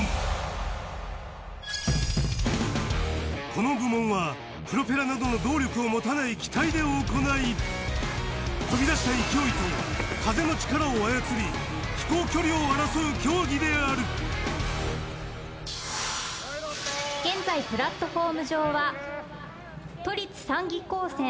この部門はプロペラなどの動力を持たない機体で行い飛び出した勢いと風の力を操り飛行距離を争う競技である現在プラットホーム上は。